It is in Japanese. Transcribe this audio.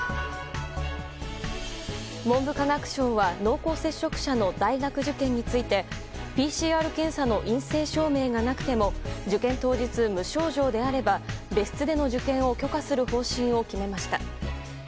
文部科学省は濃厚接触者の大学受験についてＰＣＲ検査の陰性証明がなくても受験当日、無症状であれば別室での受験を許可する方針を決めました。